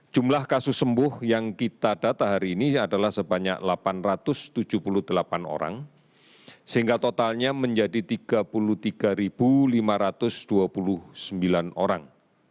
jumlah kasus sembuh yang kita data hari ini adalah sebanyak delapan ratus tujuh puluh delapan orang sehingga totalnya menjadi tiga puluh tiga lima ratus dua puluh sembilan orang